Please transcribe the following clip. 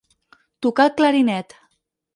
Tocar el clarinet.